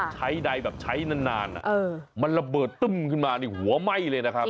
ใดแบบใช้นานมันระเบิดตึ้มขึ้นมานี่หัวไหม้เลยนะครับ